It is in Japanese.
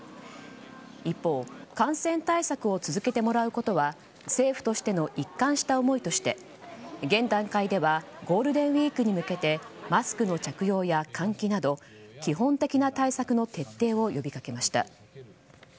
一方、感染対策を続けてもらうことは政府としての一貫した思いとして現段階ではゴールデンウィークに向けてマスクの着用や換気など基本的な対策の徹底を呼びかけました。